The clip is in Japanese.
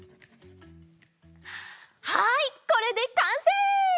はいこれでかんせい！